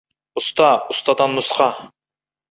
ұста, ұстадан нұсқа.